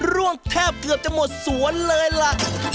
แทบเกือบจะหมดสวนเลยล่ะ